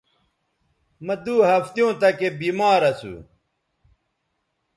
مہ دو ہفتیوں تکے بیمار اسو